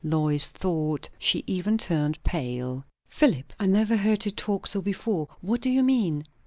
Lois thought she even turned pale. "Philip! I never heard you talk so before. What do you mean?"